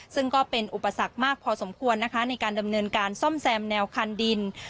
ซึ่งก็เป็นอุปสรรคมากพอสมควรนะคะในการดำเนินการซ่อมแซมแนวคันดิน